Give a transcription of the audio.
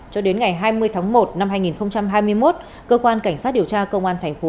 cho đến ngày hai mươi tháng một năm hai nghìn hai mươi một cơ quan cảnh sát điều tra công an thành phố